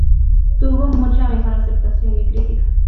Tuvo mucha mejor aceptación y crítica.